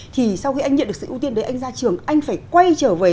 thì sau khi anh nhận được sự ưu tiên đấy anh ra trường anh phải quay trở về